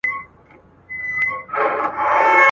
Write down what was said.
د ټولني يوه برخه سوې